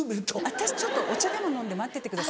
私「ちょっとお茶でも飲んで待っててください」。